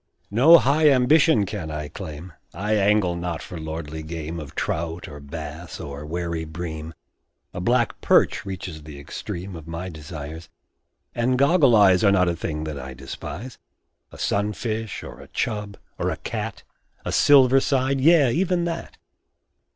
No high ambition can I claim I angle not for lordly game Of trout, or bass, or wary bream A black perch reaches the extreme Of my desires; and "goggle eyes" Are not a thing that I despise; A sunfish, or a "chub," or a "cat" A "silver side" yea, even that!